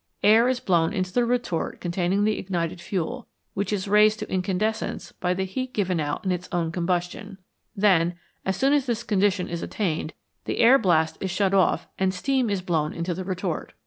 Air is blown into the retort containing the ignited fuel, which is raised to incandescence by the heat given out in its own com bustion ; then, as soon as this condition is attained, the air blast is shut off and steam is blown into the retort.